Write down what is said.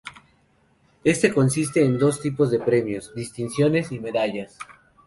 Este consiste en dos tipos de premios: distinciones y medallas.